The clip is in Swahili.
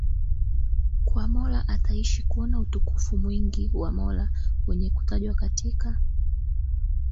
kwa Mola ataishi kuona utukufu mwingi wa Mola wenye kutajwa katika